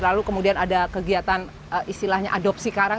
lalu kemudian ada kegiatan istilahnya adopsi karang